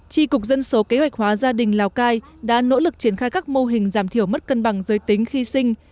tri cục dân số kế hoạch hóa gia đình lào cai đã nỗ lực triển khai các mô hình giảm thiểu mất cân bằng giới tính khi sinh